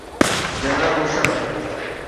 General Musharraf.